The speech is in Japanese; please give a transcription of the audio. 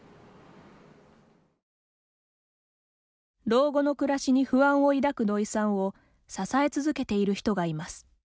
老後の暮らしに不安を抱く土井さんを支え続けている人がいます。